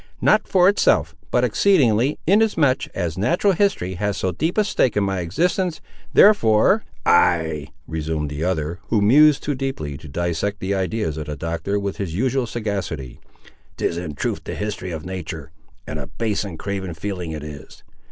"Not for itself, but exceedingly, inasmuch as natural history has so deep a stake in my existence. Therefore—" "Ay!" resumed the other, who mused too deeply to dissect the ideas of the Doctor with his usual sagacity, "'tis in truth the history of natur', and a base and craven feeling it is!